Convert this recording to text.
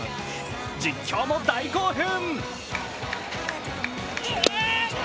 実況も大興奮。